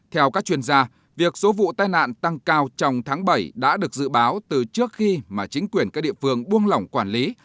theo các chuyên gia việc số vụ tai nạn tăng cao trong tháng bảy đã được dự báo từ trước khi mà chính quyền các địa phương buông lỏng quản lý